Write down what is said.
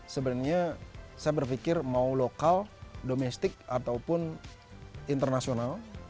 sebenarnya saya berpikir mau lokal domestik ataupun internasional